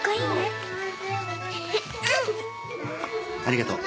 ありがとう。